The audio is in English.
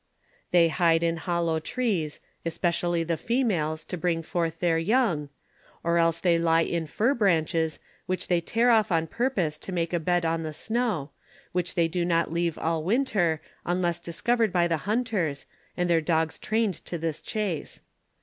71 bide in hollow trees, especially the females, to bring forth their young, or else they lie on fir branches which they tear off on purpose to make a bed on the snow, which they do not leave all winter, unless discovered by the hunters, and their dogs trained to this chase.